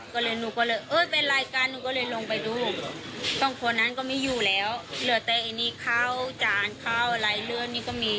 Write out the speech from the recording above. เขาก็บอกว่ารอไปเดี๋ยวเข้ามากลับเผื่อกลับมา